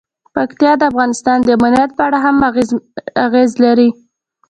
پکتیا د افغانستان د امنیت په اړه هم اغېز لري.